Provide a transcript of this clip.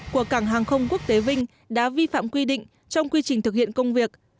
của cảng hàng không quốc tế vinh đã vi phạm quy định trong quy trình thực hiện công việc